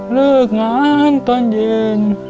เลิกงานตอนเย็น